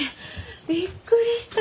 びっくりした。